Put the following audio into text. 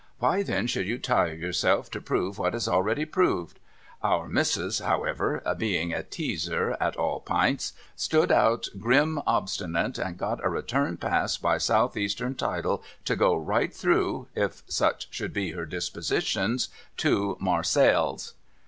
Why then should you tire yourself to prove what is already proved ? Our Missis, however (being a teazer at all pints) stood out grim obstinate, and got a return pass by South eastern Tidal, to go right through, if such should be her dispositions, to Marseilles.